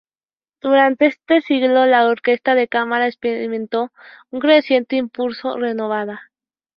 Durante este siglo, la orquesta de cámara experimentó un creciente impulso renovada.